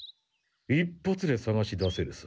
一発でさがし出せるさ。